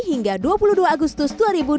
hingga dua puluh dua agustus dua ribu dua puluh